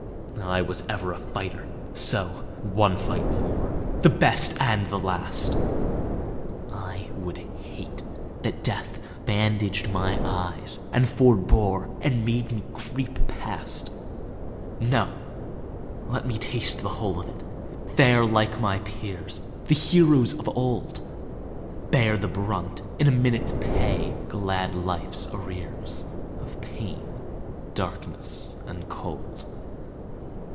I was ever a fighter, so—one fight more, The best and the last!I would hate that death bandaged my eyes, and forbore, And bade me creep past.No! let me taste the whole of it, fare like my peersThe heroes of old, Bear the brunt, in a minute pay glad life's arrearsOf pain, darkness and cold.